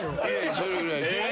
それぐらい。